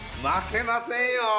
負けませんよ。